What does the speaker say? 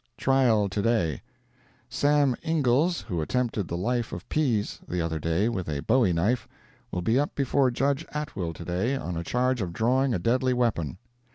TRIAL TO DAY.—Sam Ingalls, who attempted the life of Pease the other day with a bowie knife, will be up before Judge Atwill to day on a charge of drawing a deadly weapon.